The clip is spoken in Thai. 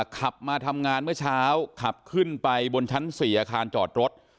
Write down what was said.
ขับมาทำงานเมื่อเช้าขับขึ้นไปบนชั้น๔อาคารจอดรถ